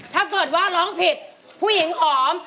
ถ้าเกิดว่าร้องผิดผู้หญิงอ๋อม